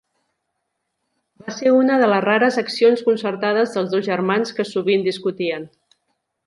Va ser una de les rares accions concertades dels dos germans, que sovint discutien.